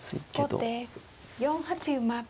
後手４八馬。